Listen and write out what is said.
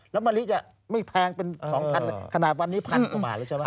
แล้วมะลิจะไม่แพงเป็น๒๐๐๐บาทขนาดวันนี้๑๐๐๐กว่าบาทหรือจะเปล่า